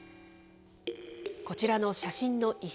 こちらの写真の石。